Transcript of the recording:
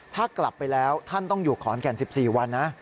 ถ้ากลับไปแล้วท่านต้องอยู่ขอนแก่น๑๔วันนะ